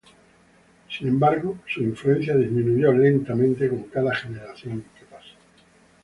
Sin embargo, su influencia disminuyó lentamente con cada generación que pasa.